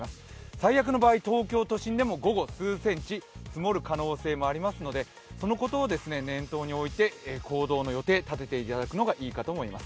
最悪の場合、東京都心でも午後数センチ積もる可能性もありますのでそのことを念頭に置いて、行動の予定、立てていただくのがいいと思います。